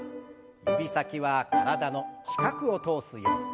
指先は体の近くを通すように。